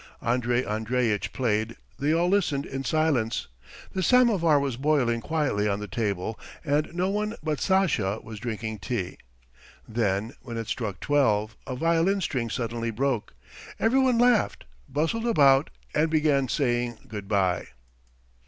Andrey Andreitch played; they all listened in silence. The samovar was boiling quietly on the table and no one but Sasha was drinking tea. Then when it struck twelve a violin string suddenly broke; everyone laughed, bustled about, and began saying good bye.